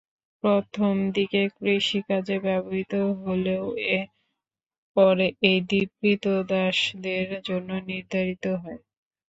প্রথম দিকে কৃষিকাজে ব্যবহৃত হলেও পরে এই দ্বীপ ক্রীতদাসদের জন্য নির্ধারিত হয়।